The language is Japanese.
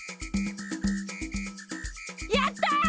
やった！